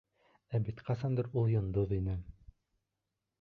Ә бит ҡасандыр ул йондоҙ ине...